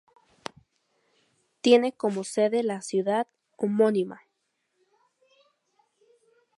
Tiene como sede la ciudad homónima.